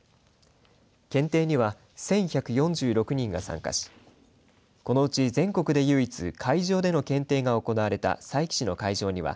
検定には１１４６人が参加しこのうち全国で唯一会場での検定が行われた佐伯市の会場には